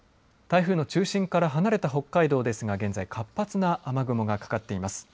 台風の中心から離れた北海道ですが現在活発な雨雲がかかっています。